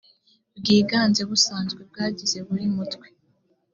bwiganze busanzwe bw abagize buri mutwe